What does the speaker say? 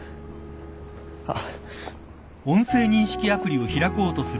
あっ。